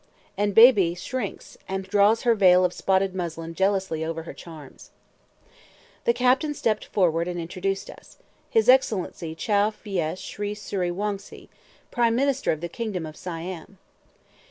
"] and Beebe shrinks, and draws her veil of spotted muslin jealously over her charms. The captain stepped forward and introduced us. "His Excellency Chow Phya Sri Sury Wongse, Prime Minister of the Kingdom of Siam!"